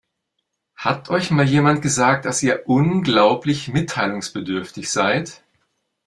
Hat euch mal jemand gesagt, dass ihr unglaublich mitteilungsbedürftig seid?